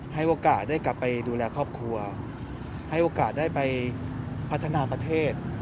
ให้โอกาสได้กลับไปดูแลครอบครัวให้โอกาสได้ไปพัฒนาประเทศ